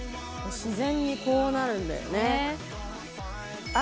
「自然にこうなるんだよね」